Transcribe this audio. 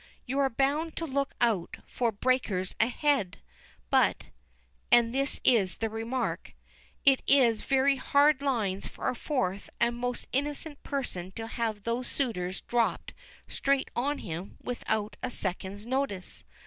You are bound to look out for 'breakers ahead,' but (and this is the remark) it is very hard lines for a fourth and most innocent person to have those suitors dropped straight on him without a second's notice.